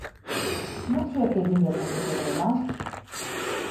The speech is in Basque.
Nortzuek egin dezakete greba?